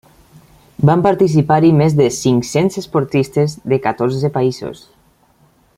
Van participar-hi més de cinc-cents esportistes de catorze països.